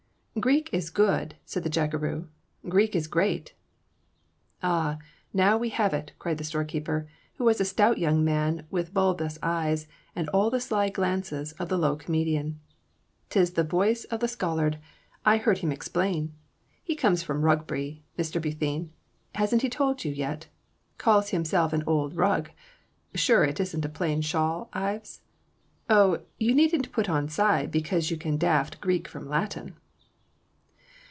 "Greek is good," said the jackeroo. "Greek is great!" "Ah, now we have it!" cried the storekeeper, who was a stout young man with bulbous eyes, and all the sly glances of the low comedian. "'Tis the voice of the scholard, I heard him explain! He comes from Rugby, Mr. Bethune; hasn't he told you yet? Calls himself an Old Rug sure it isn't a plaid shawl, Ives? Oh, you needn't put on side because you can draft Greek from Latin!"